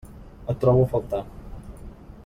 Et trobo a faltar.